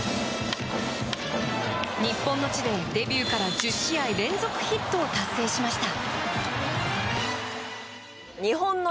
日本の地で、デビューから１０試合連続ヒットを達成しました。